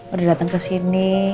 udah datang ke sini